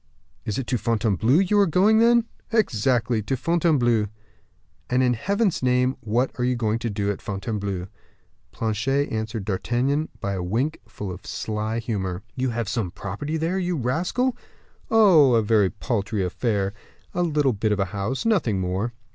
"It is to Fontainebleau you are going, then?" "Exactly; to Fontainebleau." "And, in Heaven's name, what are you going to do at Fontainebleau?" Planchet answered D'Artagnan by a wink full of sly humor. "You have some property there, you rascal." "Oh, a very paltry affair; a little bit of a house nothing more."